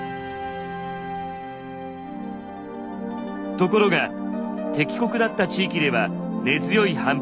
ところが敵国だった地域では根強い反発に直面。